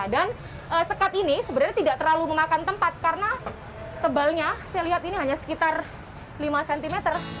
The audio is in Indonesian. dan sekat ini sebenarnya tidak terlalu memakan tempat karena tebalnya saya lihat ini hanya sekitar lima cm